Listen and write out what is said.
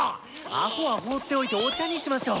アホは放っておいてお茶にしましょう。